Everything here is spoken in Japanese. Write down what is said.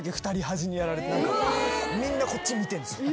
みんなこっち見てんすよ。